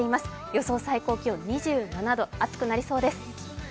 予想最高気温２７度暑くなりそうです。